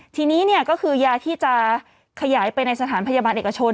ทีนี้ก็คือยาที่จะขยายไปในสถานพยาบาลเอกชน